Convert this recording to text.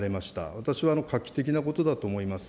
私は画期的なことだと思います。